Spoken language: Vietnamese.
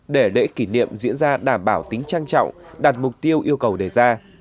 để lễ kỷ niệm diễn ra đảm bảo tính trang trọng đạt mục tiêu yêu cầu đề ra